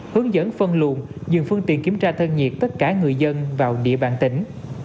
hướng dẫn phân luồn dừng phương tiện kiểm tra thân nhiệt tất cả người dân vào địa bàn tỉnh